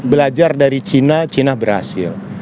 belajar dari cina cina berhasil